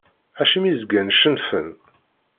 Acimi zgan cennfen?